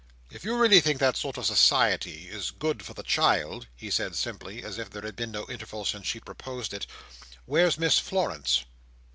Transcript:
"If you really think that sort of society is good for the child," he said sharply, as if there had been no interval since she proposed it, "where's Miss Florence?"